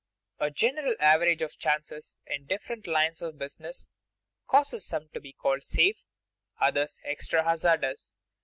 A general average of chances in different lines of business causes some to be called safe, others extra hazardous.